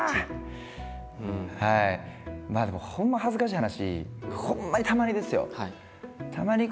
まあでもほんま恥ずかしい話ほんまにたまにですよ